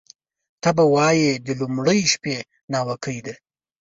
ته به وایې د لومړۍ شپې ناوکۍ ده